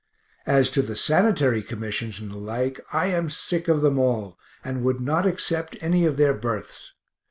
As to the Sanitary commissions and the like, I am sick of them all, and would not accept any of their berths.